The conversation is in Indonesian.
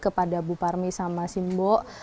kepada bu parmi sama simbo